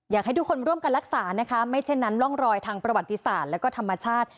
อยากให้ทุกคนร่วมกันรักษานะคะไม่เช่นนั้นร่องรอยทางประวัติศาสตร์และก็ธรรมชาติ